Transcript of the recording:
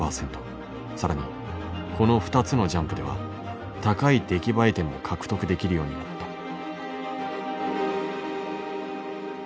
更にこの２つのジャンプでは高い出来栄え点も獲得できるようになった。